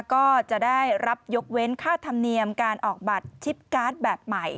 ก็จะได้รับยกเว้นค่าธรรมเนียมการออกบัตรชิปการ์ดแบบใหม่